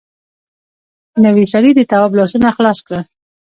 نوي سړي د تواب لاسونه خلاص کړل.